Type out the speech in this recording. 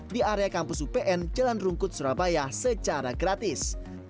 di area kampus upn jalan rungkut surabaya secara gratis